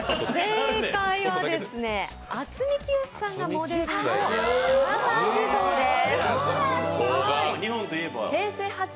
正解は、渥美清さんがモデルの寅さん地蔵です。